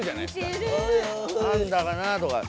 「なんだかな」とか。